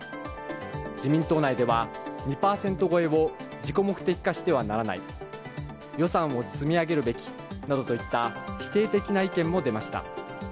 自民党内では、２％超えを自己目的化してはならない、予算を積み上げるべきなどといった否定的な意見も出ました。